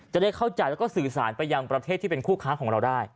จะได้เข้าใจแล้วก็สื่อสารไปยังประเทศที่เป็นคู่ค้าของเราได้